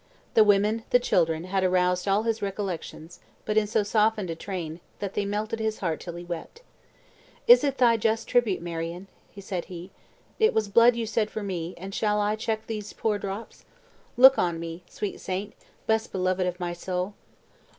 The women, the children, had aroused all his recollections but in so softened a train, that they melted his heart till he wept. "It is thy just tribute, Marion," said he; "it was blood you shed for me, and shall I check these poor drops? Look on me, sweet saint, best beloved of my soul; O!